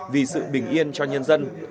vì sự bình yên cho nhân dân